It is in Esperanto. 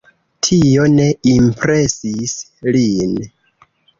Tio ne impresis lin.